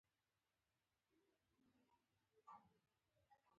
ټیلیفونونه زنګ وهي او د ټایپ کولو غږونه راځي